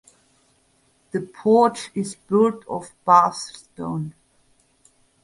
The porch is built of Bath stone.